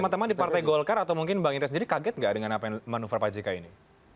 teman teman di partai golkar atau mungkin bang indra sendiri kaget nggak dengan apa yang manuver pak jk ini